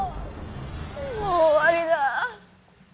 もう終わりだ。